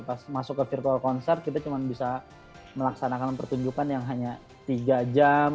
pas masuk ke virtual concert kita cuma bisa melaksanakan pertunjukan yang hanya tiga jam